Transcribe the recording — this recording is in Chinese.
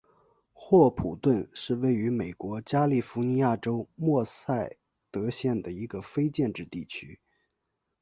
霍普顿是位于美国加利福尼亚州默塞德县的一个非建制地区。